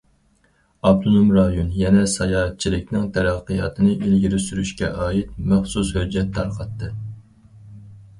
ئاپتونوم رايون يەنە ساياھەتچىلىكنىڭ تەرەققىياتىنى ئىلگىرى سۈرۈشكە ئائىت مەخسۇس ھۆججەت تارقاتتى.